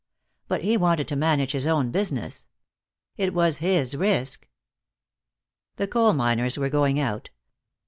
But he wanted to manage his own business. It was his risk. The coal miners were going out.